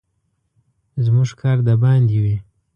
زموږ کار د باندې وي.